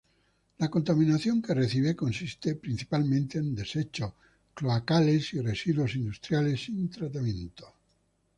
La contaminación que recibe consiste principalmente en desechos cloacales y residuos industriales sin tratamiento.